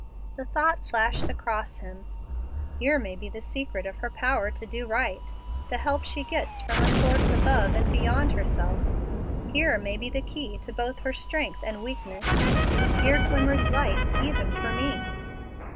The thought flashed across him, "Here may be the secret of her power to do right the help she gets from a source above and beyond herself. Here may be the key to both her strength and weakness. Here glimmers light even for me."